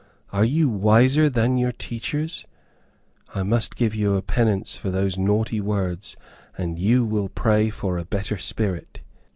Are you wiser than your teachers? I must give you a penance for those naughty words, and you will pray for a better spirit."